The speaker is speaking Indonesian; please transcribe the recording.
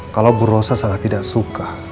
kalau bu rosa sangat tidak suka